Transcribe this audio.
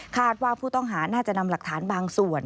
ว่าผู้ต้องหาน่าจะนำหลักฐานบางส่วน